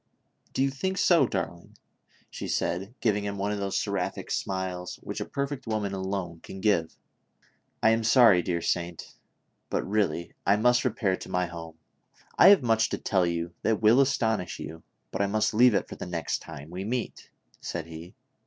"Do you think so, darling?" she said, giving him one of those seraphic smiles which a perfect woman alone can give. " I am sorry, dear saint, but really, I must repair to my home ; I have much to tell you that will astonish you, but I must leave it for the next time we meet," said he.